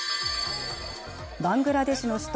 バングラデシュの首都